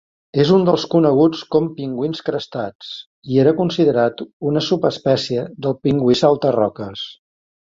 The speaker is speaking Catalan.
És un dels coneguts com pingüins crestats i era considerat una subespècie del pingüí salta-roques.